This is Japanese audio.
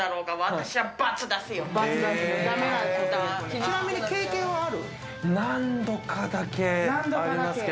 ちなみに経験はある？